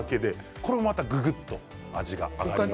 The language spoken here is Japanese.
これもまたぐぐっと味がよくなります。